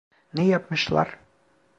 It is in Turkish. Ne yapmışlar?